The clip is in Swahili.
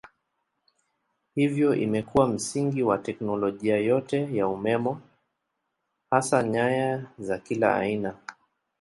Hivyo imekuwa msingi wa teknolojia yote ya umeme hasa nyaya za kila aina.